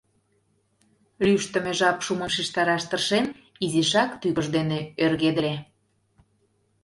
Лӱштымӧ жап шумым шижтараш тыршен, изишак тӱкыж дене ӧргедыле.